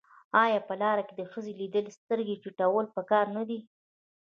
آیا په لار کې د ښځې لیدل سترګې ټیټول پکار نه دي؟